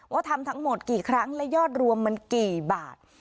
ทำทั้งหมดกี่ครั้งและยอดรวมมันกี่บาท